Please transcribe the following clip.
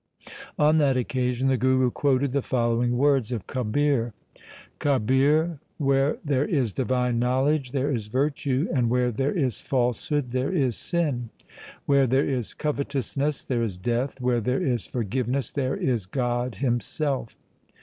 On that occasion the Guru quoted the following words of Kabir :— Kabir, where there is divine knowledge there is virtue ; and where there is falsehood there is sin ; Where there is covetousness there is death ; where there is forgiveness there is God Himself.